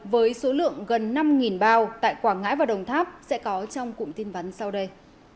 với số lượng gần năm bao tại quảng ngãi và đồng tháp sẽ có trong cụm tin vắn sau đây